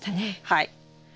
はい。